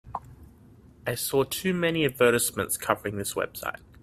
I saw too many advertisements covering this website.